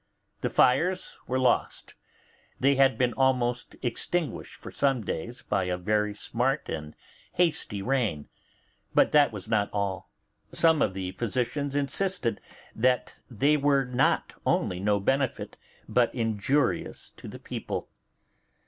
The fires were lost; they had been almost extinguished for some days by a very smart and hasty rain. But that was not all; some of the physicians insisted that they were not only no benefit, but injurious to the health of people.